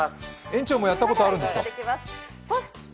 園長もやったことあるんですか？